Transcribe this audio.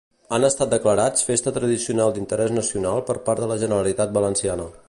Han estat declarats Festa Tradicional d'Interès Nacional per part de la Generalitat valenciana.